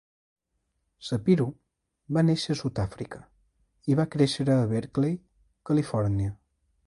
Shapiro va néixer a Sud-àfrica i va créixer a Berkeley, Califòrnia.